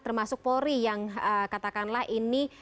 termasuk polri yang katakanlah ini